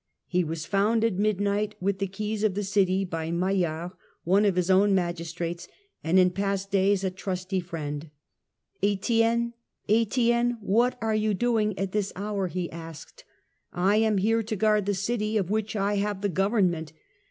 He was found at midnight with the keys of the city by Maillart, one of his own magistrates, and in past days a trusty friend. " Etienne, Etienne, what are you doing at this hour?" he asked. "I am here to guard the city of which I have the government."